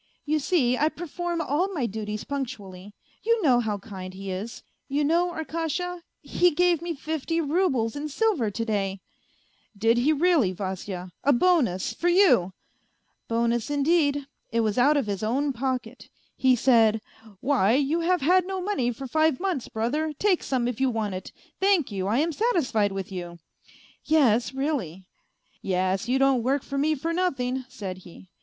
You see, I perform all my duties punctually; you know how kind he is, you know, Arkasha, he gave me fifty roubles in silver to day 1 "" Did he really, Vasya ? A bonus for you ?"" Bonus, indeed, it was out of his own pocket. He said :' Why, you have had no money for five months, brother, take some if you want it ; thank you, I am satisfied with you.' ... Yes, really !' Yes, you don't work for me for nothing,' said he.